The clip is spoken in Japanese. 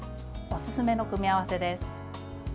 おすすめの組み合わせです。